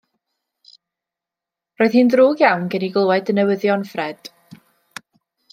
Roedd hi'n ddrwg iawn gen i glywed y newyddion, Ffred.